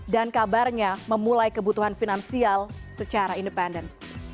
dan kabarnya memulai kebutuhan finansial secara independen